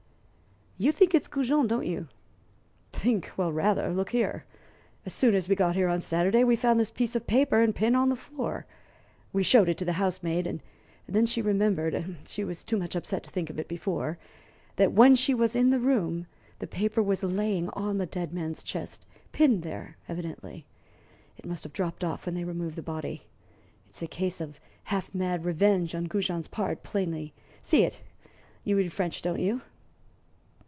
"You think it's Goujon, don't you?" "Think? Well, rather! Look here! As soon as we got here on Saturday, we found this piece of paper and pin on the floor. We showed it to the housemaid, and then she remembered she was too much upset to think of it before that when she was in the room the paper was laying on the dead man's chest pinned there, evidently. It must have dropped off when they removed the body. It's a case of half mad revenge on Goujon's part, plainly. See it; you read French, don't you?"